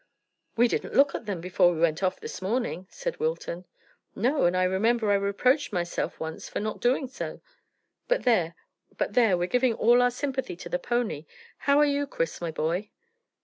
"We didn't look at them before we went off this morning," said Wilton. "No, and I remember I reproached myself once for not doing so. But there, we're giving all our sympathy to the pony. How are you, Chris, my boy?"